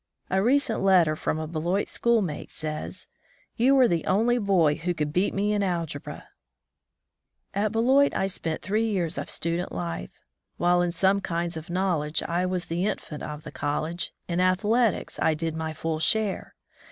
A recent letter from a Beloit schoolmate says, "You were the only boy who could beat me in algebra !" At Beloit I spent three years of student life. While in some kinds of knowledge I was the infant of the college, in athletics I did my full share.